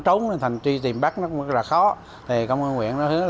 trộm đi hơn một tấn tiêu hạt gây thiệt hại cho gia đình